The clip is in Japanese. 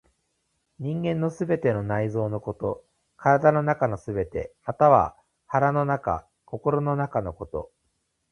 人間の全ての内臓のこと、体の中すべて、または腹の中、心の中のこと。